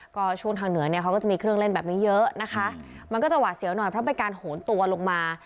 ก็ช่วงทางเหนือเนี่ยเขาก็จะมีเครื่องเล่นแบบนี้เยอะนะคะมันก็จะหวาดเสียวหน่อยเพราะเป็นการโหนตัวลงมา